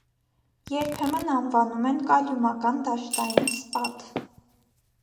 Երբեմն անվանում են կալիումական դաշտային սպաթ։